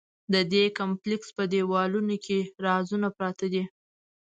د دې کمپلېکس په دیوالونو کې رازونه پراته دي.